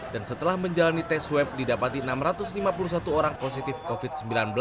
dan setelah menjalani swab didapati enam ratus lima puluh satu orang positif covid sembilan belas